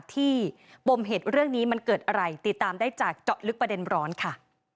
ปมเหตุเรื่องนี้มันเกิดอะไรติดตามได้จากเจาะลึกประเด็นร้อนค่ะ